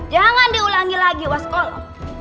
jangan diulangi lagi waskolok